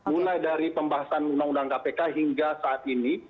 mulai dari pembahasan undang undang kpk hingga saat ini